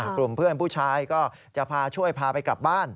กลุ่มเพื่อนผู้ชายก็จะพาช่วยพาไปกลับบ้าน